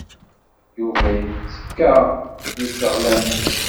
Yuba yettekka deg teɣlamt.